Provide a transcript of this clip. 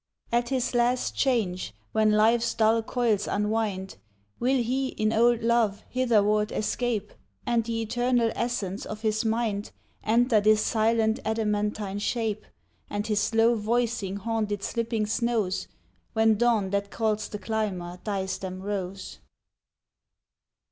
At his last change, when Life's dull coils unwind, Will he, in old love, hitherward escape, And the eternal essence of his mind Enter this silent adamantine shape, And his low voicing haunt its slipping snows When dawn that calls the climber dyes them rose?